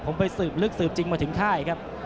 ผมไปสืบลึกสืบจริงมาถึงค่ายครับ